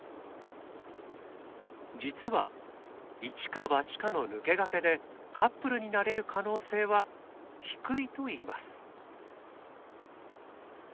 実はイチかバチかの抜け駆けでカップルになれる可能性は低いといいます。